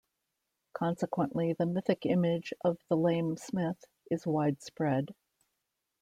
Consequently, the mythic image of the lame smith is widespread.